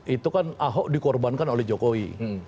itu kan ahok dikorbankan oleh jokowi